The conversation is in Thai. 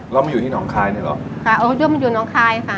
แล้วมาอยู่ที่น้องคลายเนี้ยเหรอค่ะมาอยู่ที่น้องคลายค่ะ